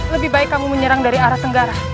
lebih baik kamu menyerang dari arah tenggara